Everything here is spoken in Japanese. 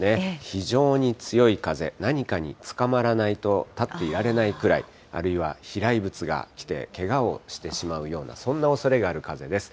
非常に強い風、何かにつかまらないと立っていられないくらい、あるいは飛来物が来てけがをしてしまうような、そんなおそれがある風です。